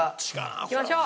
いきましょう！